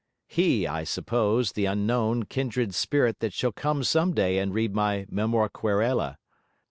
He, I suppose: the unknown, kindred spirit that shall come some day and read my memor querela.